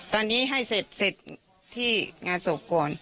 ตอนนี้ให้เสร็จที่งานสกร